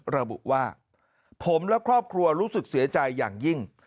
ระบุว่าผมและครอบครัวรู้สึกเสียใจอย่างยิ่ง